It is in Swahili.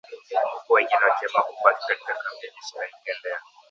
huku wengine wakiamua kubaki katika kambi ya jeshi la Uganda ya